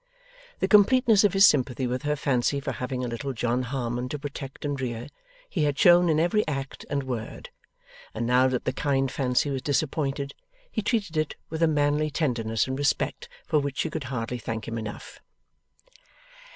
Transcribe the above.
The completeness of his sympathy with her fancy for having a little John Harmon to protect and rear, he had shown in every act and word, and now that the kind fancy was disappointed, he treated it with a manly tenderness and respect for which she could hardly thank him enough.